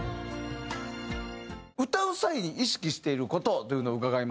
「歌う際に意識している事」というのを伺いました